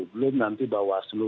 belum nanti bawah